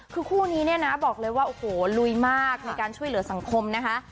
คือคู่นี้เนี่ยนะบอกเลยว่าโอ้โหลุยมากในการช่วยเหลือสังคมนะคะ